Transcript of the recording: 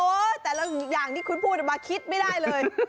โอ้แต่เรายังที่คุณพูดออกมาคิดไม่ได้เลย